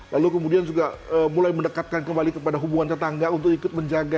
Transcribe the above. lalu kemudian juga mulai mendekatkan kembali kepada hubungan tetangga untuk ikut menjaga